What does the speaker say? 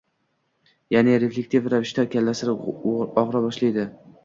ya’ni reflektiv ravishda kallasini o‘gira boshlaydi.